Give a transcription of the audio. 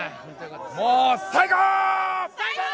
もう最高。